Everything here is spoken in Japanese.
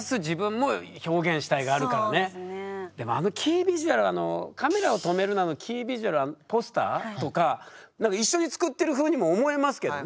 でもあのキービジュアル「カメラを止めるな！」のキービジュアルあのポスターとか一緒に作ってるふうにも思えますけどね。